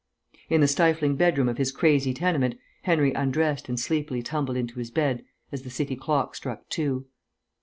In the stifling bedroom of his crazy tenement, Henry undressed and sleepily tumbled into bed as the city clock struck two.